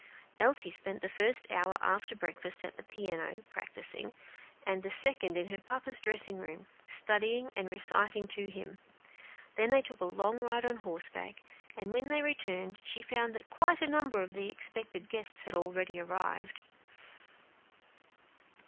Elsie spent the first hour after breakfast at the piano, practising, and the second in her papa's dressing room, studying and reciting to him; then they took a long ride on horseback, and when they returned she found that quite a number of the expected guests had already arrived.